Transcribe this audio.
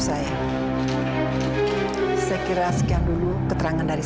saya juga tidak akan menangka itu